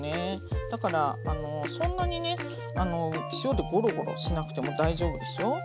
だからそんなにね塩でゴロゴロしなくても大丈夫ですよ。